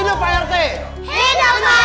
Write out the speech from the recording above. hidup pak rt